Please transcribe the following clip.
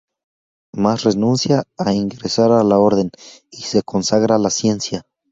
Mas renuncia a ingresar a la orden, y se consagra a la ciencia.